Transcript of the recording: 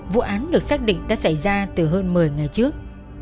vụ án được xác định đã xảy ra từ hơn một mươi ngày trước